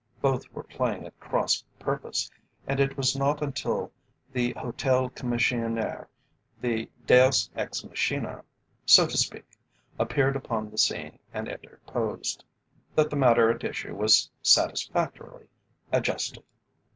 Both were playing at cross purpose, and it was not until the Hotel Commissionaire, the deus ex machina, so to speak, appeared upon the scene and interposed, that the matter at issue was satisfactorily adjusted.